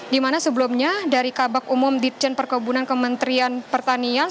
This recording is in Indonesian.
di mana sebelumnya dari kabak umum dirjen perkebunan kementerian pertanian